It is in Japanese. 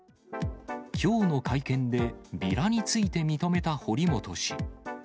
きょうの会見でビラについて認めた堀本氏。